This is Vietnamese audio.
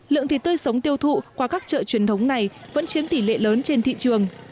lượng thịt tươi sống tiêu thụ qua các chợ truyền thống này vẫn chiếm tỷ lệ lớn trên thị trường